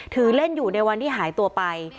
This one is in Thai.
ถือเล่นอยู่ในวันที่หายตัวไป